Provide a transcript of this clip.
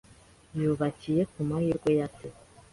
Yubakiye kumahirwe ya se.